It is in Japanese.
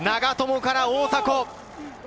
長友から大迫。